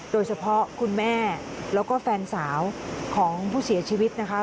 คุณแม่แล้วก็แฟนสาวของผู้เสียชีวิตนะคะ